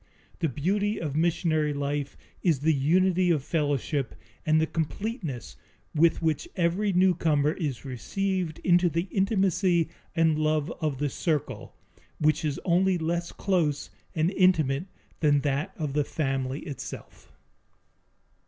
The beauty of missionary life is the unity of fellowship and the completeness with which every newcomer is received into the intimacy and love of the circle, which is only less close and intimate than that of the family itself.